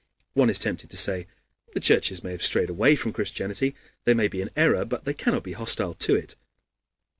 One is tempted to say, "The churches may have strayed away from Christianity, they may be in error, but they cannot be hostile to it."